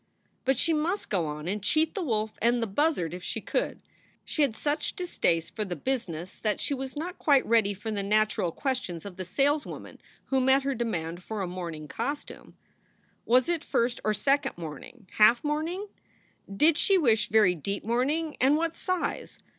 But she must go on and cheat the wolf and the buzzard if she could. She had such distaste for the business that she was not quite ready for the natural questions of the sales woman who met her demand for a mourning costume. Was it first or second mourning, half mourning? Did she wish very deep mourning, and what size?